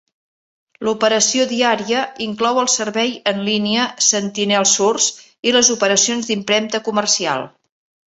L'operació diària inclou el servei en línia SentinelSource i les operacions d'impremta comercial.